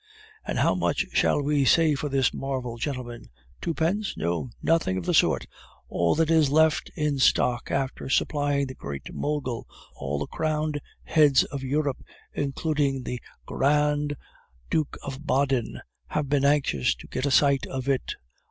"And how much shall we say for this marvel, gentlemen? Twopence? No. Nothing of the sort. All that is left in stock after supplying the Great Mogul. All the crowned heads of Europe, including the Gr r rand Duke of Baden, have been anxious to get a sight of it.